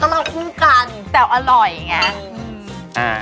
ตัวเราคุ้มกันแต่อร่อยไง